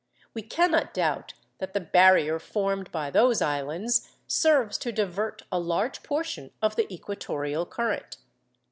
We cannot doubt that the barrier formed by those islands serves to divert a large portion of the equatorial current.